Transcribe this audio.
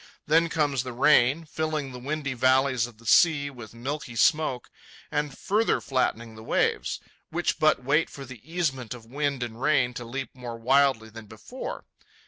Then comes the rain, filling the windy valleys of the sea with milky smoke and further flattening the waves, which but wait for the easement of wind and rain to leap more wildly than before.